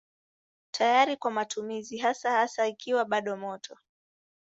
Tayari kwa matumizi hasa hasa ikiwa bado moto.